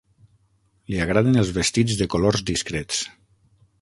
Li agraden els vestits de colors discrets.